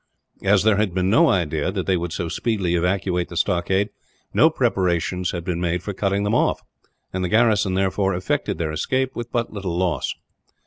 As there had been no idea that they would so speedily evacuate the stockade, no preparations had been made for cutting them off; and the garrison, therefore, effected their escape with but little loss.